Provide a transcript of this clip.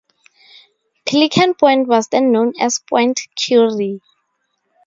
Pelican Point was then known as Point Currie.